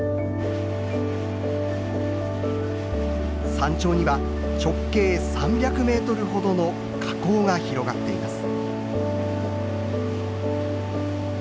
山頂には直径３００ｍほどの火口が広がっています。